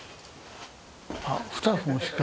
あっスタッフも宿泊。